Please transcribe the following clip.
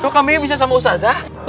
kambingnya bisa sama ustadz ah